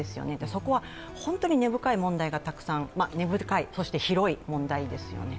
そこは本当に根深い問題がたくさん、根深い、そして広い問題ですよね。